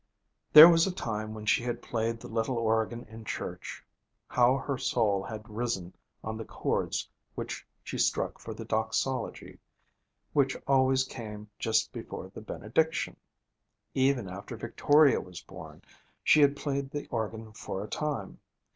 There was a time when she had played the little organ in church. How her soul had risen on the chords which she struck for the Doxology, which always came just before the benediction! Even after Victoria was born, she had played the organ for a time.